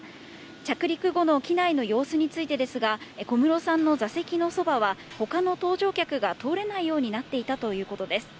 着陸後の機内の様子についてですが、小室さんの座席のそばはほかの搭乗客が通れないようになっていたということです。